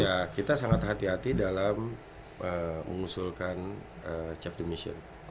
ya kita sangat hati hati dalam mengusulkan chef de mission